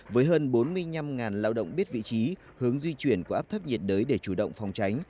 với hơn bốn mươi năm lao động biết vị trí hướng di chuyển của áp thấp nhiệt đới để chủ động phòng tránh